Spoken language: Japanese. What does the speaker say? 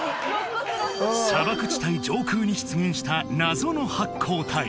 砂漠地帯上空に出現した謎の発光体